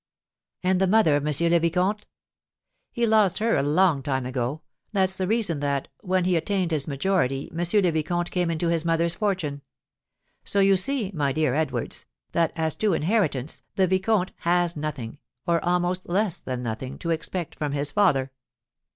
"And the mother of M. le Vicomte?" "He lost her a long time ago; that's the reason that, when he attained his majority, M. le Vicomte came into his mother's fortune. So, you see, my dear Edwards, that, as to inheritance, the vicomte has nothing, or almost less than nothing, to expect from his father."